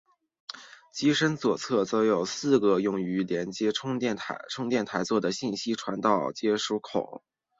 机身左侧则有四个用于连接充电台座和信息传输的接孔以及手机挂饰孔。